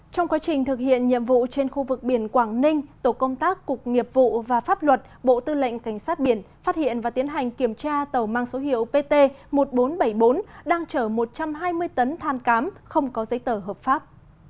trong quá trình thực hiện nhiệm vụ trên khu vực biển quảng ninh tổ công tác cục nghiệp vụ và pháp luật bộ tư lệnh cảnh sát biển phát hiện và tiến hành kiểm tra tàu mang số hiệu pt một nghìn bốn trăm bảy mươi bốn đang chở một trăm hai mươi tấn than cám không có giấy tờ hợp pháp